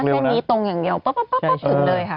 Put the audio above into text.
ถ้างานนี้ตรงอย่างเดียวป็อบทิ้งเลยค่ะ